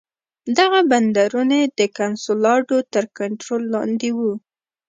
دغه بندرونه د کنسولاډو تر کنټرول لاندې وو.